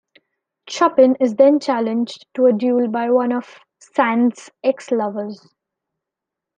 Chopin is then challenged to a duel by one of Sand's ex-lovers.